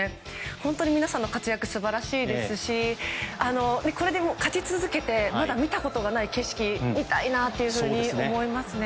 本当に皆さんの活躍素晴らしいですしこれで、勝ち続けてまだ見たことがない景色を見たいなというふうに思いますね。